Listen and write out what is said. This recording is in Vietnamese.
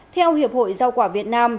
theo hiệp hội rau quả việt nam